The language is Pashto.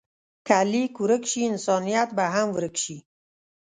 که لیک ورک شي، انسانیت به هم ورک شي.